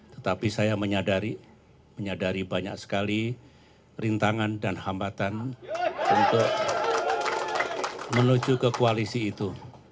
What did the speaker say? tetapi saya menyadari banyak sekali rintangan dan hambatan untuk menuju ke koalisi itu